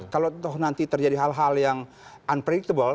kalau nanti terjadi hal hal yang unpredictable